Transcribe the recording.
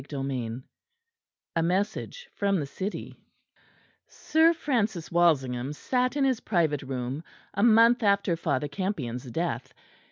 CHAPTER VII A MESSAGE FROM THE CITY Sir Francis Walsingham sat in his private room a month after Father Campion's death.